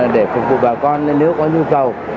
để phục vụ bà con nếu có nhu cầu